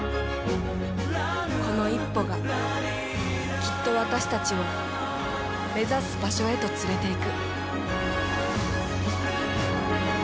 この一歩がきっと私たちを目指す場所へと連れていく。